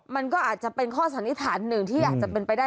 มันก็อาจจะเป็นข้อสันนิษฐานหนึ่งที่อาจจะเป็นไปได้